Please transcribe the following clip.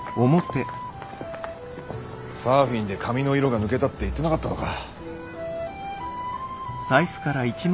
サーフィンで髪の色が抜けたって言ってなかったのか？